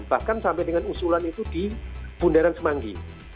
bahkan sampai dengan usulan itu di bundaran semanggi